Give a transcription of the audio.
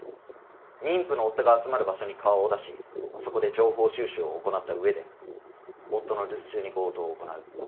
妊婦の夫が集まる場所に顔を出しそこで情報収集を行った上で夫の留守中に強盗を行う。